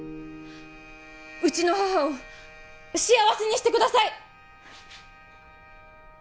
うちの母を幸せにしてください！